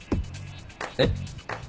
えっ？